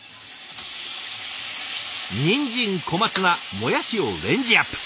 にんじん小松菜もやしをレンジアップ。